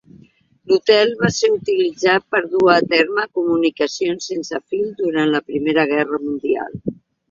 L'hotel es va utilitzar per dur a terme comunicacions sense fil durant la Primera Guerra Mundial.